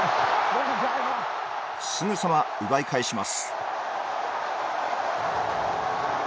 すぐさま奪い返します